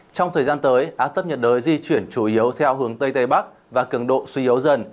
trong thời gian tới áp thấp nhiệt đới di chuyển chủ yếu theo hướng tây tây bắc và cường độ suy yếu dần